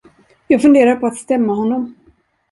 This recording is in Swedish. Jag funderar på att stämma honom.